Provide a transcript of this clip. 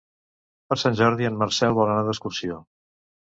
Per Sant Jordi en Marcel vol anar d'excursió.